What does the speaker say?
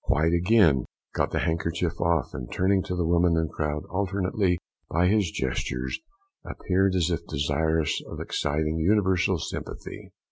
White again got the handkerchief off, and turning to the woman and crowd alternately, by his gestures, appeared as if desirous of exciting universal sympathy.